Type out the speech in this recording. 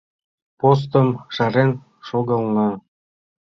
Постом шарен шогална.